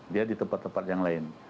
dia di tempat tempat yang lain